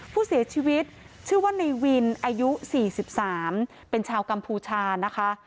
ผู้เสียชีวิตชื่อว่าในวินอายุ๔๓เป็นชาวกัมพูชานะคะ